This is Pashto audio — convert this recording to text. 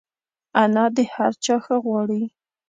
انا د هر چا ښه غواړي